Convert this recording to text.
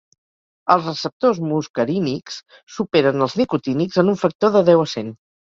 Els receptors muscarínics superen els nicotínics en un factor de deu a cent.